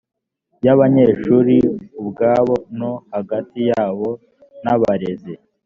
y abanyeshuri ubwabo no hagati yabo n abarezi